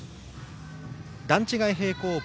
段違い平行棒